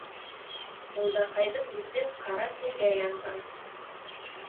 Мулдаҡайҙың бите ҡара тиргә янған.